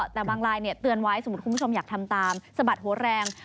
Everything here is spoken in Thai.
แต่บางลายเตือนไว้สมมุติคุณผู้ชมอยากทำตามสะบัดหัวแรง